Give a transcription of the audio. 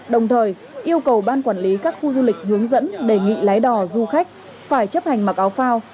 đồng thời yêu cầu ban quản lý các khu du lịch hướng dẫn đề nghị lái đò du khách phải chấp hành mặc áo phao